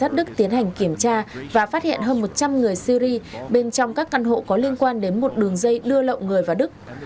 đức tiến hành kiểm tra và phát hiện hơn một trăm linh người syri bên trong các căn hộ có liên quan đến một đường dây đưa lậu người vào đức